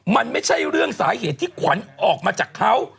มันไม่ใช่เรื่องสาเหตุที่ขวัญออกมาจากเขา